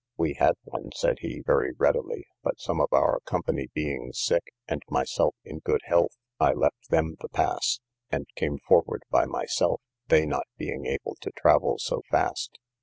We had one, said he, very readily; but some of our company being sick, and myself in good health, I left them the pass, and came forward by myself, they not being able to travel so fast.